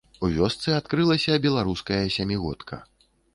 У вёсцы адкрылася беларуская сямігодка.